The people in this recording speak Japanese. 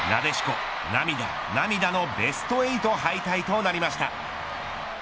なでしこ涙、涙のベスト８敗退となりました。